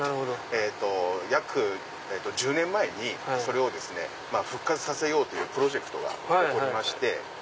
約１０年前にそれを復活させようというプロジェクトが起こりまして。